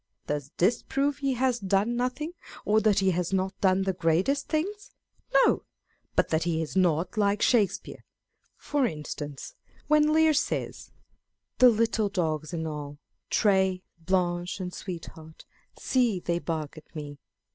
Does this prove he has done nothing, or that he has not done the greatest things ? No, but that he is not like Shakespeare. For instance, when Lear says, " The little dogs and all, Tray, Blanche, and Sweetheart, see they bark at me